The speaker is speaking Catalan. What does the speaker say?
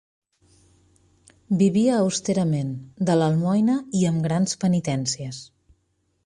Vivia austerament, de l'almoina i amb grans penitències.